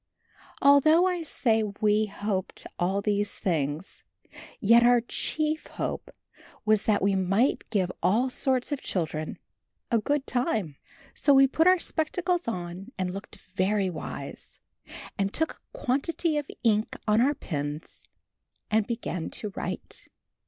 Although, I say, we hoped all these things, yet our chief hope was that we might give all sorts of children a good time. So we put our spectacles on and looked very wise, and took a quantity of ink on our pens and began to write.